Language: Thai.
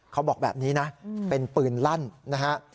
เขาบอกแบบนี้นะเป็นปืนลั่นนะฮะ